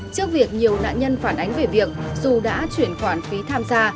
trước việc nhiều nạn nhân phản ánh về việc dù đã chuyển khoản phí tham gia